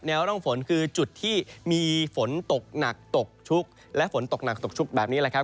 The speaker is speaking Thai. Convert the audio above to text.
ร่องฝนคือจุดที่มีฝนตกหนักตกชุกและฝนตกหนักตกชุกแบบนี้แหละครับ